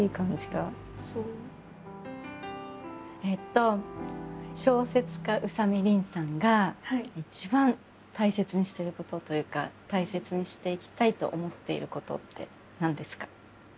えっと小説家宇佐見りんさんが一番大切にしていることというか大切にしていきたいと思っていることって何ですか？